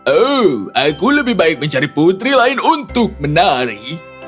oh aku lebih baik mencari putri lain untuk menari